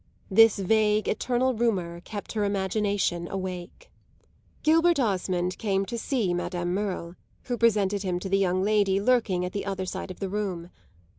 This vague eternal rumour kept her imagination awake. Gilbert Osmond came to see Madame Merle, who presented him to the young lady lurking at the other side of the room.